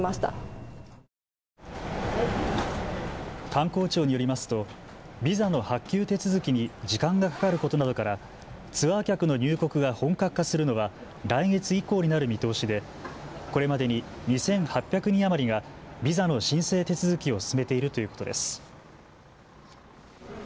観光庁によりますとビザの発給手続きに時間がかかることなどからツアー客の入国が本格化するのは来月以降になる見通しでこれまでに２８００人余りがビザの申請手続きを進めているということです。